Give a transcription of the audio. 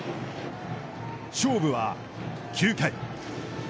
勝負は９回。